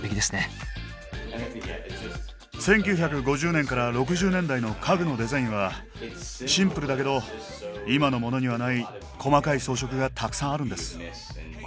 １９５０年から６０年代の家具のデザインはシンプルだけど今のモノにはない細かい装飾がたくさんあるんです。